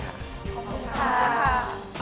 ขอบคุณครับ